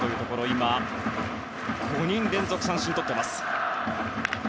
今、５人連続三振をとっています。